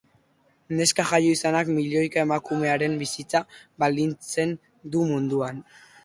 Neska jaio izanak milioika emakumearen bizitza baldintzatzen du munduan.